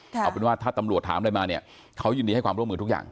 เอาเป็นว่าถ้าตำรวจถามอะไรมาเนี่ยเขายินดีให้ความร่วมมือทุกอย่าง